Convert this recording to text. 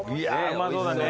うまそうだね。